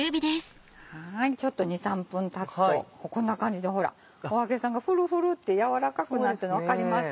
ちょっと２３分たつとこんな感じでお揚げさんがふるふるって軟らかくなってるの分かります？